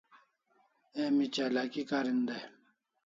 Emi chalaki karin dai